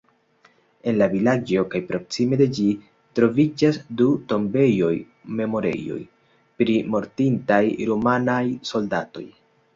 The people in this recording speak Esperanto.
En la vilaĝo kaj proksime de ĝi troviĝas du tombejoj-memorejoj pri mortintaj rumanaj soldatoj.